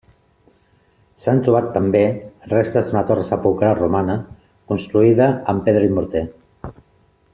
S'han trobat, també, restes d'una torre sepulcral romana, construïda amb pedra i morter.